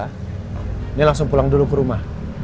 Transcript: ini langsung pulang dulu ke rumah